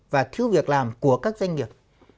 và thiếu việc làm của các doanh nghiệp